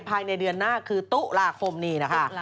ภายในเดือนหน้าคือตุลาคมนี้นะคะ